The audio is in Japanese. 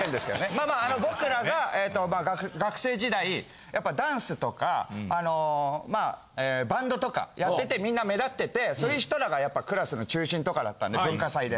まあまあ僕らが学生時代やっぱダンスとかバンドとかやっててみんな目立っててそういう人らがやっぱクラスの中心とかだったんで文化祭で。